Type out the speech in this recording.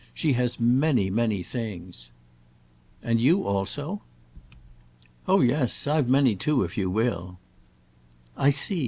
She has many, many things." "And you also?" "Oh yes—I've many too, if you will." "I see.